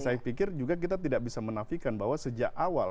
ya saya pikir juga kita tidak bisa menafikan bahwa sejak awal skenario ini